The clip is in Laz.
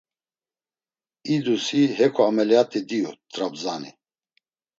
İdusi heko ameliyat̆i diyu T̆rabzani.